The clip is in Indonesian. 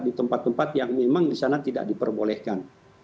di tempat tempat yang memang di sana tidak diperbolehkan